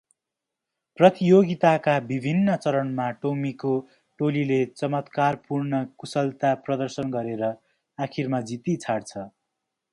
प्रतियोगिताका विभिन्न चरणमा टोम्मीको टोलीले चमत्कारपूर्ण कुशलता प्रदर्शन गरेर आखिरमा जिती छाड्छ।